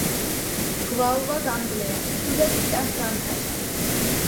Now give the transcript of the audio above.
გვალვაგამძლეა, ცუდად იტანს ზამთარს.